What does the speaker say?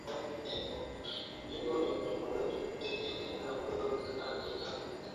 hiyo imekuwa kitu zaukane ambayo linaweza likaa